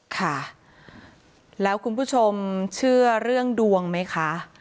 ค่ะแล้วคุณผู้ชมเชื่อเรื่องดวงไหมคะ